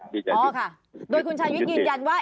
โอ้ค่ะโดยคุณชายวิทย์ยืนยันว่า